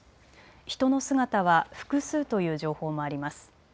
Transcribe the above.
人の姿は複数という情報もあります。